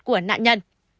của nạn nhân